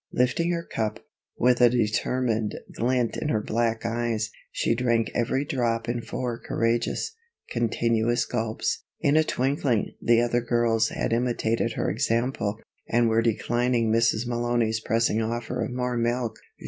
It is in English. Lifting her cup, with a determined glint in her black eyes, she drank every drop in four courageous, continuous gulps. In a twinkling, the other girls had imitated her example and were declining Mrs. Malony's pressing offer of more milk.